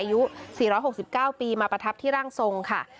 อายุ๔๖๙ปีมาประทับที่ร่างทรงค่ะ